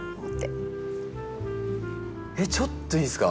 ちょっといいですか？